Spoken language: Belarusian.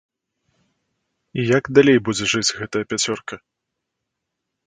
І як далей будзе жыць гэтая пяцёрка?